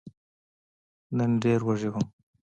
نن ډېر وږی وم !